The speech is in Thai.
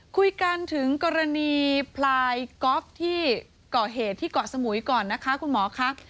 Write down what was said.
คุยกันถึงกรณีพลายก๊อฟที่ก่อเหตุที่เกาะสมุยก่อนนะคะคุณหมอครับ